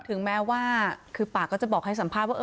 ถึงแม้ว่าคือปากก็จะบอกให้สัมภาษณ์ว่า